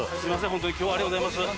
ホントに今日はありがとうございます。